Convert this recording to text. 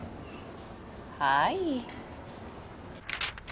はい。